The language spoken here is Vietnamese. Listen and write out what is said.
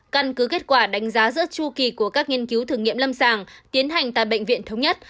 căn cứ kết quả đánh giá giữa chu kỳ của các nghiên cứu thử nghiệm lâm sàng tiến hành tại bệnh viện thống nhất